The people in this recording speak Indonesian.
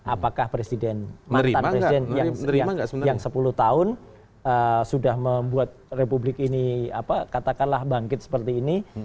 apakah presiden mantan presiden yang sepuluh tahun sudah membuat republik ini katakanlah bangkit seperti ini